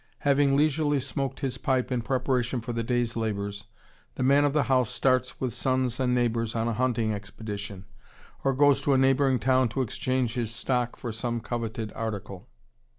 Having leisurely smoked his pipe in preparation for the day's labors, the man of the house starts with sons and neighbors on a hunting expedition, or goes to a neighboring town to exchange his stock for some coveted article.